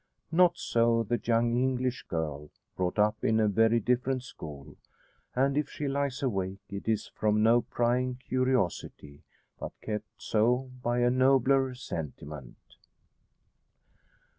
Not so the young English girl, brought up in a very different school; and if she lies awake, it is from no prying curiosity, but kept so by a nobler sentiment.